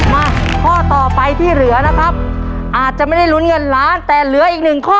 มาข้อต่อไปที่เหลือนะครับอาจจะไม่ได้ลุ้นเงินล้านแต่เหลืออีกหนึ่งข้อ